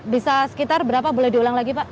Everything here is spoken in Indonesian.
bisa sekitar berapa boleh diulang lagi pak